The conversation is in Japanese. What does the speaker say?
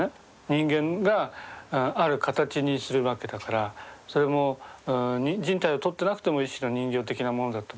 人間がある形にするわけだからそれも人体をとってなくても一種の人形的なものだと思うんですよ。